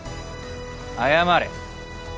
謝れ！